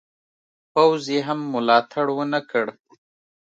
پوځ یې هم ملاتړ ونه کړ.